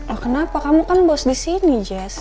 oh kenapa kamu kan bos disini jess